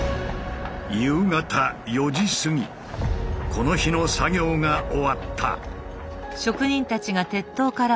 この日の作業が終わった。